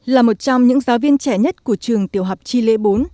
là một trong những giáo viên trẻ nhất của trường tiểu hạp tri lễ bốn